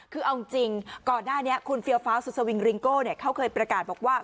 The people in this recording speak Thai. คือเอาจริงก่อนหน้านี้คุณเฟียวฟ้าสุดสวิงริงโก้เขาเคยประกาศบอกว่า